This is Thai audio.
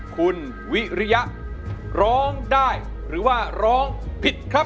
คุณวิริยะร้องได้หรือว่าร้องผิดครับ